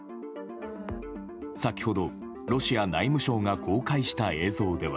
先ほど、ロシア内務省が公開した映像では。